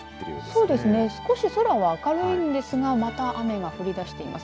少し空は明るいんですがまた、雨が降り出しています。